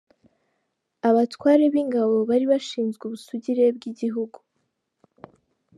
Abatware b’ingabo :Bari bashinzwe ubusugire bw’igihugu.